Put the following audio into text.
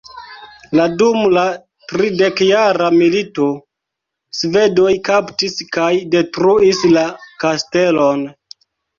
La dum la tridekjara milito, Svedoj kaptis kaj detruis la kastelon.